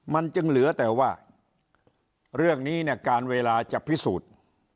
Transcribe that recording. มันจึงเหลือแต่ว่าเรื่องนี้เนี่ยการเวลาจะพิสูจน์